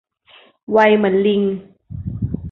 ไวเหมือนลิง